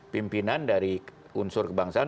pimpinan dari unsur kebangsaan